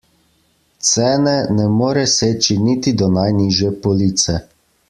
Cene ne more seči niti do najnižje police.